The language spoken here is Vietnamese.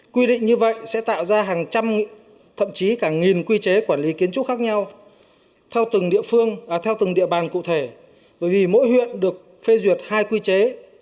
quy định như vậy sẽ tạo ra hàng trăm thậm chí cả nghìn quy chế quản lý kiến trúc khác nhau theo từng địa bàn cụ thể bởi vì mỗi huyện được phê duyệt hai quy chế